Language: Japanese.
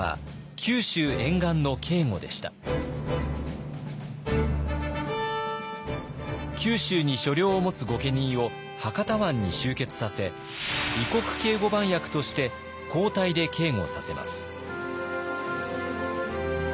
九州に所領を持つ御家人を博多湾に集結させ異国警固番役として交代で警固させます。